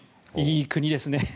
いい国ですね。